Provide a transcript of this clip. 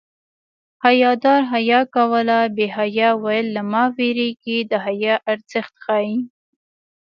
حیادار حیا کوله بې حیا ویل له ما وېرېږي د حیا ارزښت ښيي